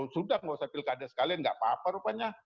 sudah enggak usah pilkada sekalian enggak apa apa rupanya